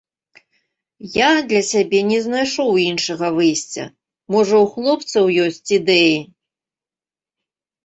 Я для сябе не знайшоў іншага выйсця, можа, у хлопцаў ёсць ідэі.